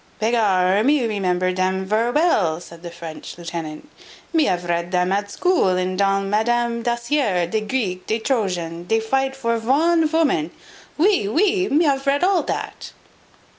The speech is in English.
"Begar, me remember dem ver well," said the French lieutenant: "me ave read them at school in dans Madam Daciere, des Greek, des Trojan, dey fight for von woman ouy, ouy, me ave read all dat."